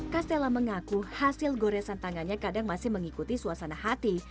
castella mengaku hasil goresan tangannya kadang masih mengikuti suasana hati